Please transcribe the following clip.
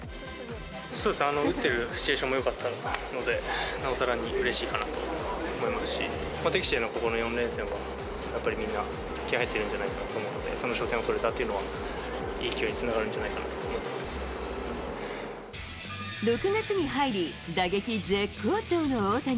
打ってるシチュエーションもよかったので、なおさらにうれしいなと思いますし、敵地でのここの４連戦は、やっぱりみんな気合い入ってるんじゃないかと思うんで、その初戦を取れたというのは勢いにつながるんじゃないかなと思っ６月に入り、打撃絶好調の大谷。